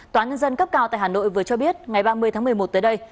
tòa nhân dân cấp cao tại hà nội vừa cho biết ngày ba mươi tháng một mươi một tới đây